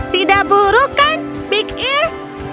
tidak buruk kan big ears